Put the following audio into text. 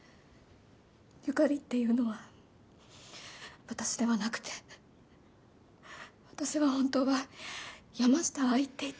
由香里っていうのは私ではなくて私は本当は山下アイって言って。